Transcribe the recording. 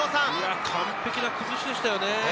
完璧な崩しでしたよね。